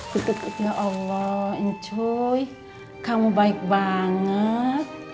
kutip kutipnya allah cuy kamu baik banget